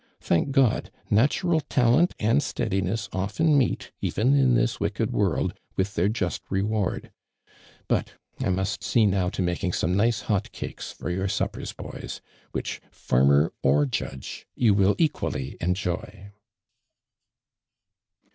Tliank God! natiinll talent and steadin^Bs often' meel;, even in this wick«d world, with their just rewai'd; but, I must see, now, to making Some nice hot cakes for your suppers, boys. wliic)i, farmer or judge, you will equally enjoy."